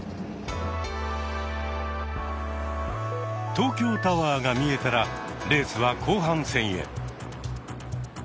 東京タワーが見えたらレースは後半戦へ。